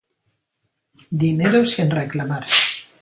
Dinero sin reclamar